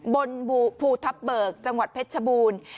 บนภูทับเบิกจังหวัดเพชรชบูรณ์